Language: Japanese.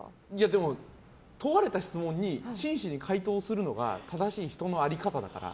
でも、問われた質問に真摯に回答するのが正しい人の在り方だから。